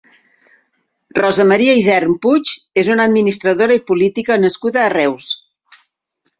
Rosa Maria Isern Puig és una administradora i política nascuda a Reus.